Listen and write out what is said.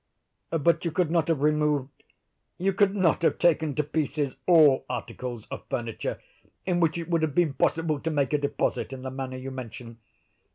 "But you could not have removed—you could not have taken to pieces all articles of furniture in which it would have been possible to make a deposit in the manner you mention.